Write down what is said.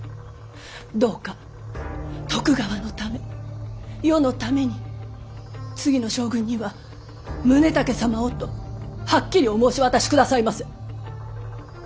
どうか徳川のため世のために次の将軍には宗武様をとはっきりお申し渡し下さいませ。